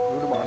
lu udah bangun